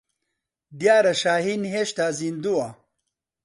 دیارە شاھین هێشتا زیندووە.